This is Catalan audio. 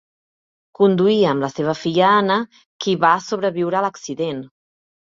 Conduïa amb la seva filla Anna, qui va sobreviure a l'accident.